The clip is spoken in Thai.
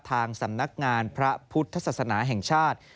ทางสำนักงานพระพุทธศาสนาแห่งชาติ